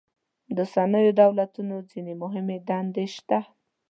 د اوسنیو دولتونو ځینې مهمې دندې شته.